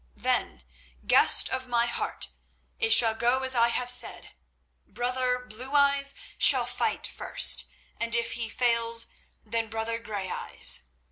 "Then, Guest of my heart, it shall go as I have said. Brother Blue eyes shall fight first, and if he falls then Brother Grey eyes.